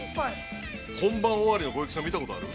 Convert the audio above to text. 本番終わりの小池さん、見たことある？